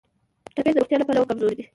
ټپي د روغتیا له پلوه کمزوری وي.